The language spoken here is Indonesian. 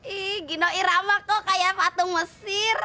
ih gino irama kok kayak patung mesir